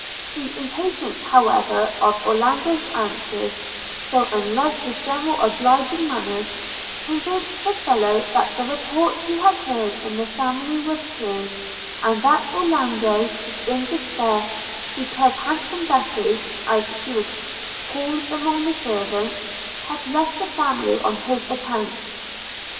The impatience however of Orlando's answers, so unlike his general obliging manners, convinced the fellow that the report he had heard in the family was true, and that Orlando was in despair, because handsome Betty, as she was called among the servants, had left the family on his account.